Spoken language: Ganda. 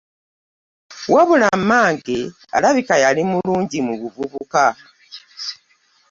Wabula mmange alabika yali mulungi mu buvubuka.